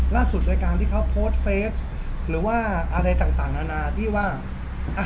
ล่าสุดในการที่เขาโพสต์เฟสหรือว่าอะไรต่างต่างนานาที่ว่าอ่ะ